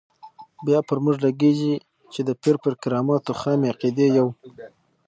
بیا پر موږ لګېږي چې د پیر پر کراماتو خامې عقیدې یو.